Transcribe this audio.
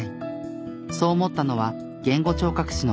そう思ったのは言語聴覚士の宮さん。